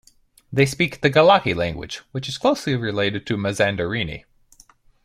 They speak the Gilaki language, which is closely related to Mazandarani.